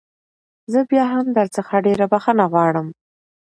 زه بيا هم درڅخه ډېره بخښنه غواړم.